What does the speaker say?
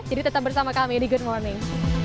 jadi tetap bersama kami di good morning